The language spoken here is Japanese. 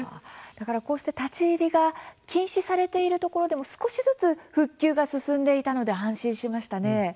だからこうして立ち入りが禁止されているところでも少しずつ復旧が進んでいたので安心しましたね。